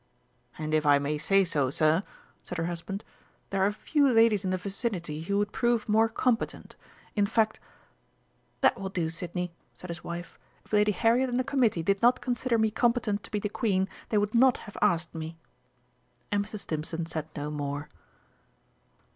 "And if I may say so, Sir," said her husband, "there are few ladies in the vicinity who would prove more competent. In fact " "That will do, Sidney," said his wife; "if Lady Harriet and the Committee did not consider me competent to be the Queen they would not have asked me." And Mr. Stimpson said no more.